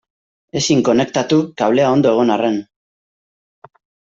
Ezin konektatu, klabea ondo egon arren.